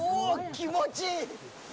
気持ちいい！